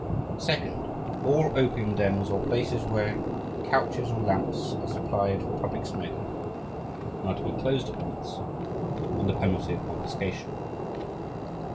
Second, all opium dens or places where couches or lamps are supplied for public smoking are to be closed at once under penalty of confiscation.